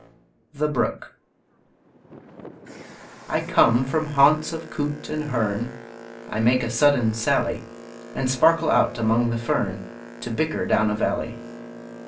THE BROOK I come from haunts of coot and hern, I make a sudden sally, And sparkle out among the fern, To bicker down a valley.